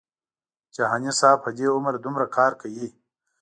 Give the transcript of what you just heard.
جهاني صاحب په دې عمر دومره کار کوي.